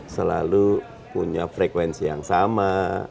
selalu punya frekuensi yang sama